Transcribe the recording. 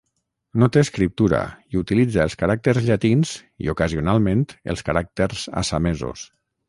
No té escriptura i utilitza els caràcters llatins i ocasionalment els caràcters assamesos.